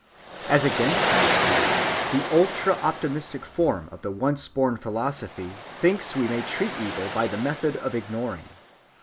As against this view, the ultra‐optimistic form of the once‐born philosophy thinks we may treat evil by the method of ignoring.